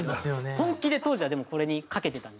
本気で当時はでもこれに懸けてたんで。